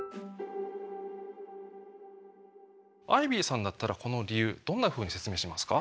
アイビーさんだったらこの理由どんなふうに説明しますか？